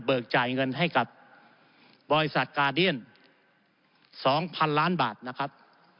จ่ายเงินให้กับบริษัทกาเดียน๒๐๐๐ล้านบาทนะครับ